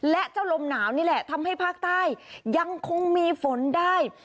และเจ้าลมหนาวนี่แหละทำให้ภาคใต้ยังคงมีฝนได้